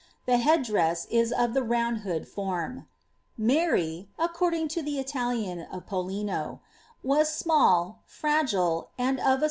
The head dress is of the round hood form. ^Marr,^ according to the Italian of PoUino,' ^ was small, fragile, and of a m^ ^ It is